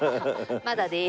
まだでーす。